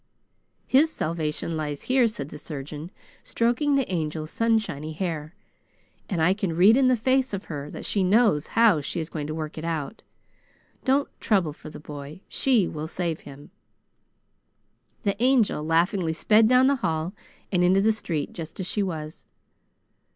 "His salvation lies here," said the surgeon, stroking the Angel's sunshiny hair, "and I can read in the face of her that she knows how she is going to work it out. Don't trouble for the boy. She will save him!" The Angel laughingly sped down the hall, and into the street, just as she was.